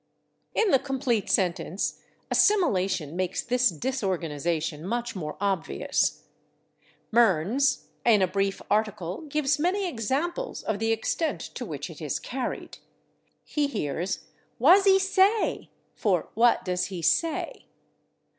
In the complete sentence, assimilation makes this disorganization much more obvious. Mearns, in a brief article gives many examples of the extent to which it is carried. He hears "wah zee say?" for "what does he say?"